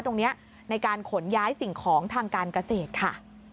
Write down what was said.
ในการขนย้ายสิ่งของทางการเกษตรค่ะ